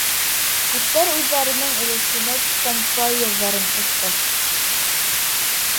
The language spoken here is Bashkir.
Күптәр үҙҙәренең өлөшөнә төшкән пай ерҙәрен ҡушты.